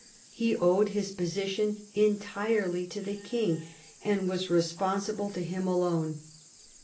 He owed his position entirely to the king, and was responsible to him alone.